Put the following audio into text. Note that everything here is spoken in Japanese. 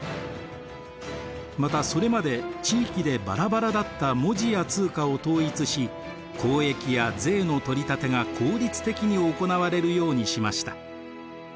またそれまで地域でばらばらだった文字や通貨を統一し交易や税の取り立てが効率的に行われるようにしました。